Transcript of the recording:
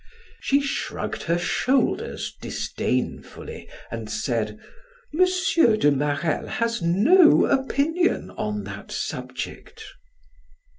She shrugged her shoulders disdainfully and said: "M. de Marelle has no opinion on that subject."